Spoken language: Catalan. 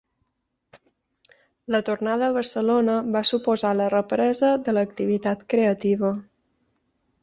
La tornada a Barcelona va suposar la represa de l'activitat creativa.